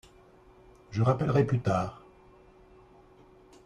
Je rappellerai plus tard.